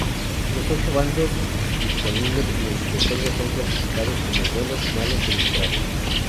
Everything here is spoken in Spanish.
Los ocho bandos disponibles en el videojuego son clasificados como buenos, malos y neutrales.